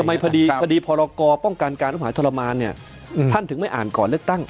ทำไมคดีพรกรป้องกันการอุ้มหายทรมานเนี่ยท่านถึงไม่อ่านก่อนเลือกตั้ง